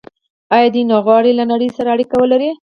آیا دوی نه غواړي له نړۍ سره اړیکه ولري؟